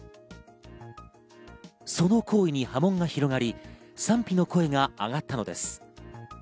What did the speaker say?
その行為に波紋が広がり、賛否の声があがったのです。